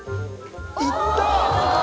行った！